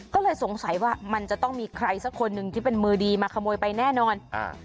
ก็เลยสงสัยว่ามันจะต้องมีใครสักคนหนึ่งที่เป็นมือดีมาขโมยไปแน่นอนอ่า